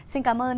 xin cảm ơn